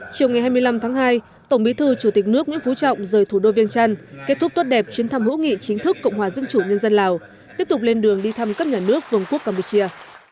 chiều ngày hai mươi năm tháng hai tổng bí thư chủ tịch nước nguyễn phú trọng rời thủ đô viên trăn kết thúc tốt đẹp chuyến thăm hữu nghị chính thức cộng hòa dân chủ nhân dân lào tiếp tục lên đường đi thăm các nhà nước vùng quốc campuchia